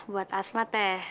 buat asma teh